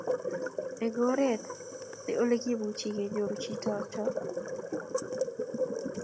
Eng' oret ne olekemuchi kenyoru chichotok?